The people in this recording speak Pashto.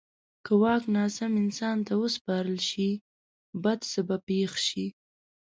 که واک ناسم انسان ته وسپارل شي، بد څه به پېښ شي.